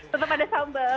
tetap ada sambal